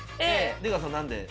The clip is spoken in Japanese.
出川さん何で？